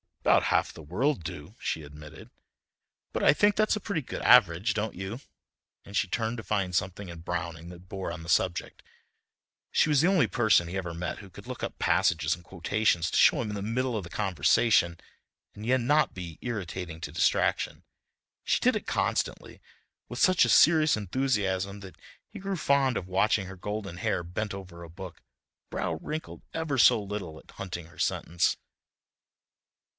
"About half the world do," she admitted, "but I think that's a pretty good average, don't you?" and she turned to find something in Browning that bore on the subject. She was the only person he ever met who could look up passages and quotations to show him in the middle of the conversation, and yet not be irritating to distraction. She did it constantly, with such a serious enthusiasm that he grew fond of watching her golden hair bent over a book, brow wrinkled ever so little at hunting her sentence.